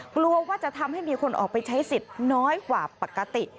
กลัวว่าจะทำให้มีคนออกไปใช้สิทธิ์น้อยกว่าปกติ